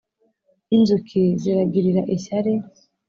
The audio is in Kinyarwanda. inzuki ziragirira ishyari